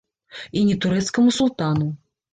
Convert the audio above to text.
І не турэцкаму султану.